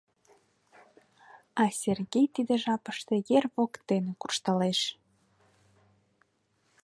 А Сергей тиде жапыште ер воктене куржталеш.